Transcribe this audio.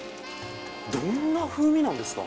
どんな風味なんですか？